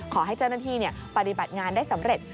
ขอให้เจ้าหน้าที่ปฏิบัติงานได้สำเร็จ